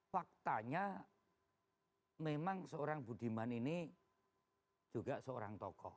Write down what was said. faktanya memang seorang budiman ini juga seorang tokoh